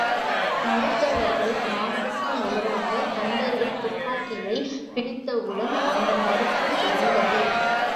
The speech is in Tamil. மறுத்தவர்கள் மார்புக்கு நேராகத் தொண்டர்கள் துப்பாக்கிகளைப் பிடித்தவுடன், அந்த மறுப்பும் ஒழிந்தது.